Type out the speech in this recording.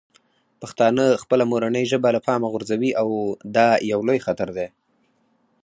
پښتانه خپله مورنۍ ژبه له پامه غورځوي او دا یو لوی خطر دی.